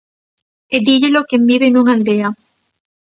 E díllelo quen vive nunha aldea.